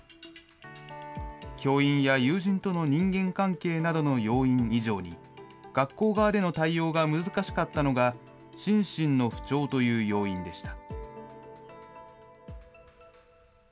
教員や友人との人間関係などの要因以上に、学校側での対応が難しかったのが、心身の不調という要因でした。